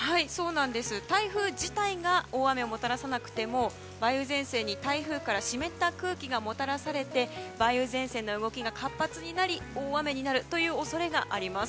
台風自体が大雨をもたらさなくても梅雨前線に台風からの湿った空気がもたらされて梅雨前線の動きが活発になり大雨になるという恐れがあります。